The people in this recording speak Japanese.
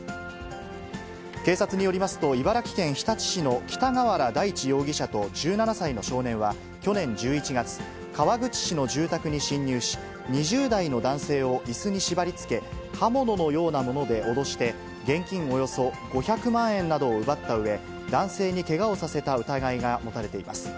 警察によりますと、茨城県日立市の北河原大地容疑者と１７歳の少年は去年１１月、川口市の住宅に侵入し、２０代の男性をいすに縛りつけ、刃物のようなもので脅して、現金およそ５００万円などを奪ったうえ、男性にけがをさせた疑いが持たれています。